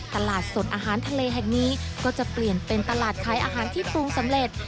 ตลาดสดอาหารทะเลแห่งนี้ก็จะเปลี่ยนเป็นตลาดขายอาหารที่ปรุงสำเร็จ